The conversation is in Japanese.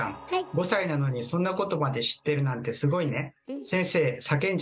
５歳なのにそんなことまで知ってるなんてすごいね。